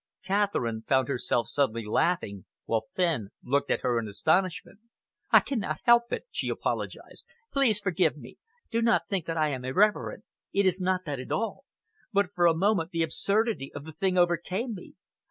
Catherine found herself suddenly laughing, while Fenn looked at her in astonishment. "I cannot help it," she apologised. "Please forgive me. Do not think that I am irreverent. It is not that at all. But for a moment the absurdity of the thing overcame me.